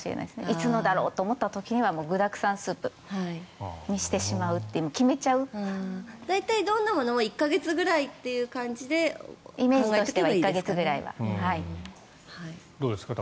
いつのだろうと思った時には具だくさんスープにしてしまうって大体どんなものも１か月ぐらいという感じでイメージすればいいですか？